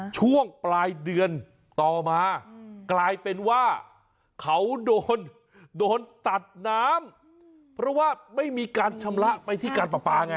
ช่วงปลายเดือนต่อมากลายเป็นว่าเขาโดนโดนตัดน้ำเพราะว่าไม่มีการชำระไปที่การปลาปลาไง